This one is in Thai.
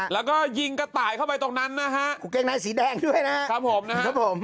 แล้วก็ยิงกระต่ายเข้าไปตรงนั้นนะฮะครับผมนะฮะครับผม